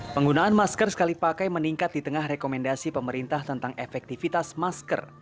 penggunaan masker sekali pakai meningkat di tengah rekomendasi pemerintah tentang efektivitas masker